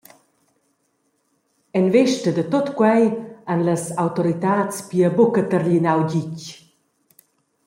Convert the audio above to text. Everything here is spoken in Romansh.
En vesta da tut quei han las autoritads pia buca targlinau ditg.